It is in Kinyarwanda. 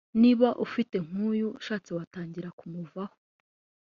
niba ufite nk’uyu ushatse watangira kumuvaho